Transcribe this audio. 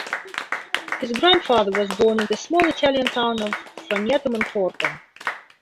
His grandfather was born in the small Italian town of Fragneto Monforte.